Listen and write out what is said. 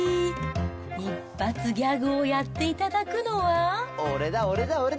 一発ギャグをやっていただくのは。